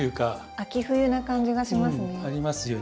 秋冬な感じがしますね。